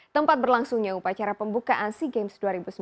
tempat berlangsungnya upacara pembukaan sea games dua ribu sembilan belas